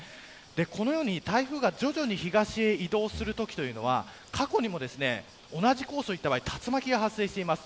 このように、台風が徐々に東へ移動するときというのは過去にも同じコースをいった場合竜巻が発生しています。